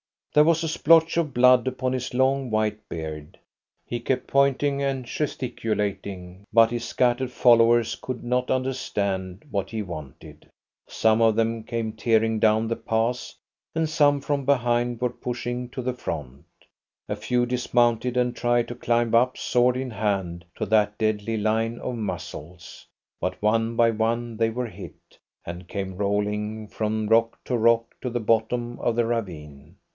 There was a splotch of blood upon his long white beard. He kept pointing and gesticulating, but his scattered followers could not understand what he wanted. Some of them came tearing down the pass, and some from behind were pushing to the front. A few dismounted and tried to climb up sword in hand to that deadly line of muzzles, but one by one they were hit, and came rolling from rock to rock to the bottom of the ravine.